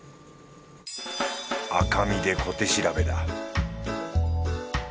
赤身で小手調べだ